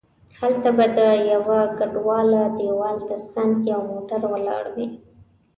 هلته به د یوه کنډواله دیوال تر څنګه یو موټر ولاړ وي.